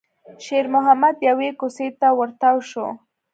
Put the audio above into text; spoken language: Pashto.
شېرمحمد يوې کوڅې ته ور تاو شو.